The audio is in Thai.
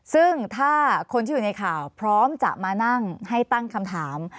ซึ่งถ้าคนที่อยู่ในข่าวพร้อมจะมานั่งให้ตั้งคำถาม